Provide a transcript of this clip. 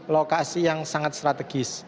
lokasi yang sangat strategis